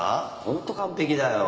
本当完璧だよ。